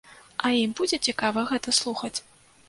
А ім будзе цікава гэта слухаць?